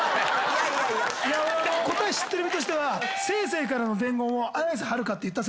答え知ってる身としては星星からの伝言を「綾瀬はるか」って言った姿。